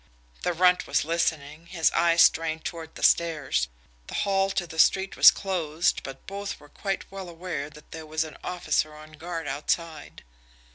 The Runt was listening, his eyes strained toward the stairs. The hall door to the street was closed, but both were quite well aware that there was an officer on guard outside.